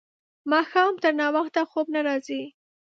ماښام تر ناوخته خوب نه راځي.